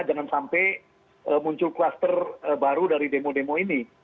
tidak sampai muncul cluster baru dari demo demo ini